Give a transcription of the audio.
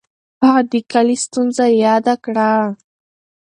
هغه د کلي ستونزه یاده کړه.